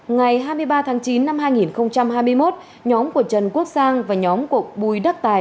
ngày hai mươi ba tháng chín năm hai nghìn hai mươi một nhóm của trần quốc sang và nhóm của bùi đức tài